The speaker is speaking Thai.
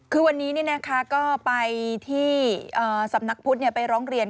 คือวันนี้ก็ไปที่สำนักพุทธไปร้องเรียน